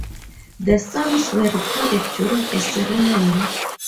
The songs were recorded during a ceremony.